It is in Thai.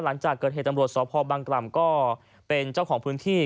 หลังจากเกิดเหตุตำรวจสพบังกล่ำก็เป็นเจ้าของพื้นที่